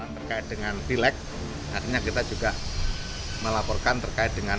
terkait dengan pilek artinya kita juga melaporkan terkait dengan